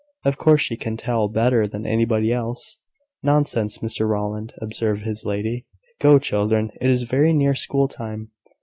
Of course she can tell better than anybody else." "Nonsense, Mr Rowland," observed his lady. "Go, children, it is very near school time."